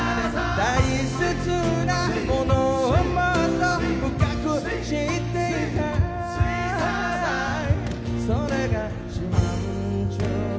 「大切な物をもっと深く知っていたい」